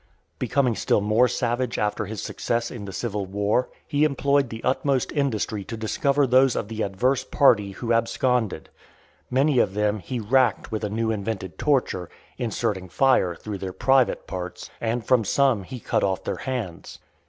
Becoming still more savage after his success in the civil war, he employed the utmost industry to discover those of the adverse party who absconded: many of them he racked with a new invented torture, inserting fire through their private parts; and from some he cut off their hands.